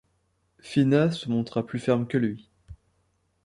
Phina se montra plus ferme que lui.